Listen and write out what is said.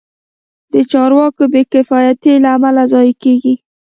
د چارواکو بې کفایتۍ له امله ضایع کېږي.